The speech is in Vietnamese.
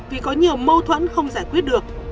vì có nhiều mâu thuẫn không giải quyết được